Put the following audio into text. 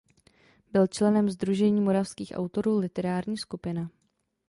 Byl členem sdružení moravských autorů Literární skupina.